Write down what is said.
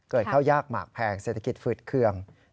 ข้าวยากหมากแพงเศรษฐกิจฝืดเคือง